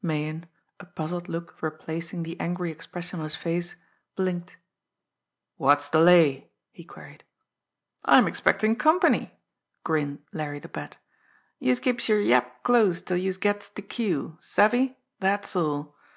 Meighan, a puzzled look replacing the angry expression on his face, blinked. "What's the lay?" he queried. "I'm expectin' company," grinned Larry the Bat. "Youse keeps yer yap closed till youse gets de cue savvy? Dat's all!